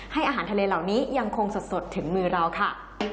อาหารทะเลเหล่านี้ยังคงสดถึงมือเราค่ะ